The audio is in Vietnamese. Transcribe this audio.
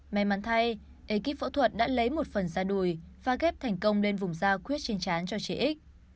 may mắn thay ekip phẫu thuật đã lấy một phần da đùi pha ghép thành công lên vùng da khuyết trên chán cho trẻ x